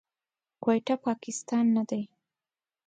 کويټه، پاکستان نه دی.